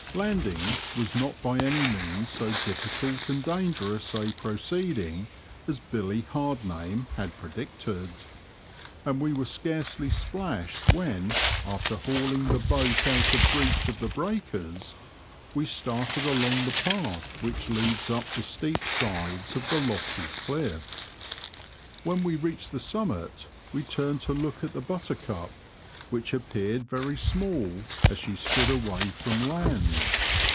Landing was not by any means so diffi cult and dangerous a proceeding as *' Billy Hardname " had predicted, and we were scarcely splashed when (after hauling the boat out of reach of the breakers) we started along the path which leads up the steep sides of the lofty cliff. When we reached the summit we turned to look at the Buttercup* which appeared very small as she stood away from land.